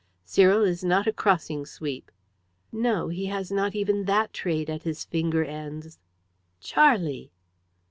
"Cyril is not a crossing sweep." "No; he has not even that trade at his finger ends." "Charlie!"